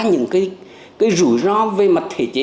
những cái rủi ro về mặt thể chế